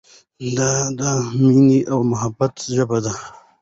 دا د مینې او محبت ژبه ده.